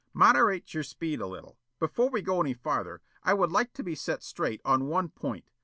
Moderate your speed a little. Before we go any further, I would like to be set straight on one point.